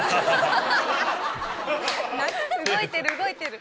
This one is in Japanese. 動いてる動いてる。